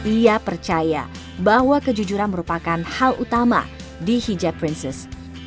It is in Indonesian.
ia percaya bahwa kejujuran merupakan hal utama di hijab princess